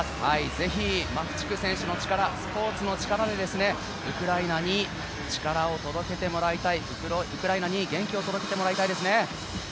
ぜひ、マフチク選手の力、スポーツの力でウクライナに力を届けてもらいたいウクライナに元気を届けてもらいたいですね。